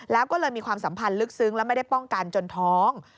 แล้วก็เลยมีความสัมพันธ์ลึกซึ้งและไม่ได้ป้องกันจนท้อง